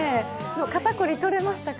肩凝り取れましたかか？